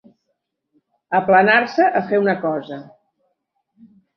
Aplanar-se a fer una cosa.